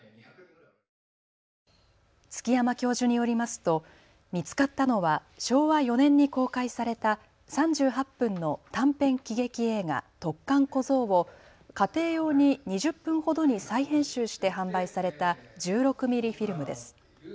築山教授によりますと見つかったのは昭和４年に公開された３８分の短編喜劇映画、突貫小僧を家庭用に２０分ほどに再編集して販売された１６ミリフィルムです。